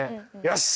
よし。